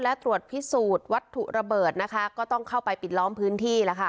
และตรวจพิสูจน์วัตถุระเบิดนะคะก็ต้องเข้าไปปิดล้อมพื้นที่แล้วค่ะ